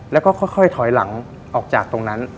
แล้วก็ค่อยถอยหลังออกจากตรงนั้น